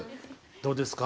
どうですか？